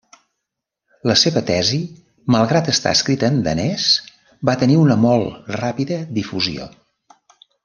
La seva tesi, malgrat estar escrita en danès, va tenir una molt ràpida difusió.